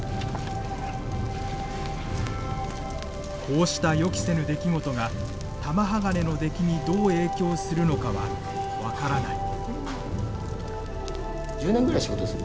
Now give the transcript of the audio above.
こうした予期せぬ出来事が玉鋼の出来にどう影響するのかは分からない。